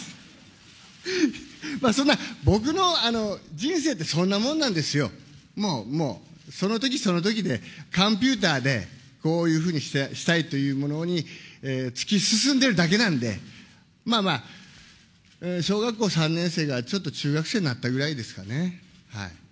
そんな、僕の人生って、そんなもんなんですよ、もうもう、そのときそのときで勘ピューターでこういうふうにして、したいというものに突き進んでるだけなんで、まあまあ、小学校３年生がちょっと中学生になったぐらいですかね。